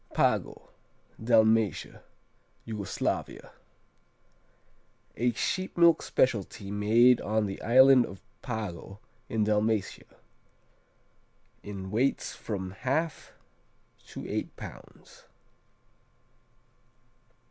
Pago Dalmatia, Yugoslavia A sheep milk specialty made on the island of Pago in Dalmatia, in weights from 1/2 to eight pounds.